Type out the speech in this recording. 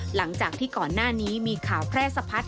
หลังจากที่ก่อนหน้านี้มีข่าวแพร่สะพัด